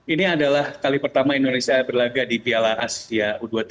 ini adalah kali pertama indonesia berlaga di piala asia u dua puluh tiga